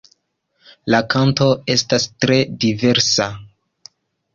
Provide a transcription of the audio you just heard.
La kanto estas tre diversa.